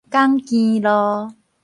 港墘路